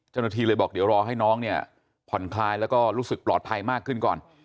เจ้าหน้าที่เลยบอกเดี๋ยวรอให้น้องเนี่ยผ่อนคลายแล้วก็รู้สึกปลอดภัยมากขึ้นก่อน